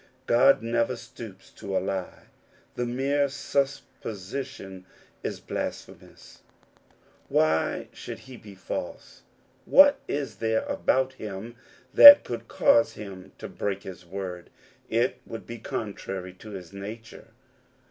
God never stoops to a lie. The mere supposition is blasphemous. Why should he be false ? What is there about him that could cause him to break his word ? It would be contrary to his nature.